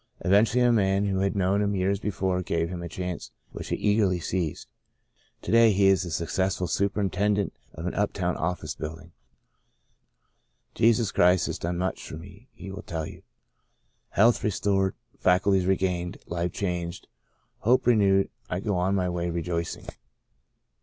Eventually a man who had known him years before gave him a chance which he eagerly seized. To day he is the successful superintendent of an JOHN TYLEB. Into a Far Country 85 up town office building. "Jesus Christ has done much for me/' he will tell you. Health restored, faculties regained, life changed, hope renewed I go on my way rejoicing.